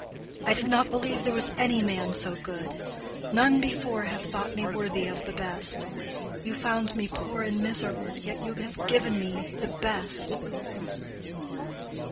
I did not believe there was any man so good. None before have thought me worthy of the best. You found me poor and miserable, yet you have given me the best."